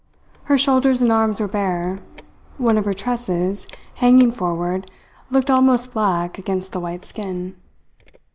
Her shoulders and arms were bare; one of her tresses, hanging forward, looked almost black against the white skin.